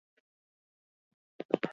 Hizkuntzak eta Literatura irakasten zituen.